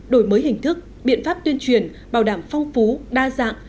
đổi mới hình thức biện pháp tuyên truyền bảo đảm phong phú đa dạng